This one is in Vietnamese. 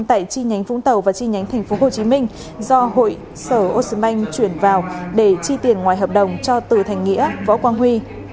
tại chi nhánh vũng tàu và chi nhánh tp hcm do hội sở ocean bank chuyển vào để chi tiền ngoài hợp đồng cho từ thành nghĩa võ quang huy